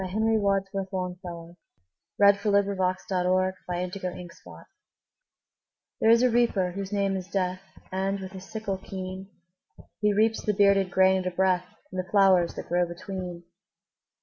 Henry Wadsworth Longfellow The Reaper And The Flowers THERE is a Reaper whose name is Death, And, with his sickle keen, He reaps the bearded grain at a breath, And the flowers that grow between.